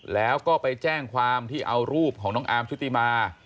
แล้วก็ไปแจ้งความที่เอารูปของน้องอาร์มชุติมา